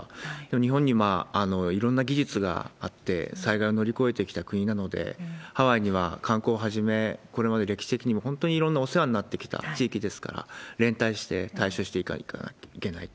日本にはいろんな技術があって、災害を乗り越えてきた国なので、ハワイには観光をはじめ、これまで歴史的にも本当にいろんなお世話になってきた地域ですから、連帯して対処していかなきゃいけないと。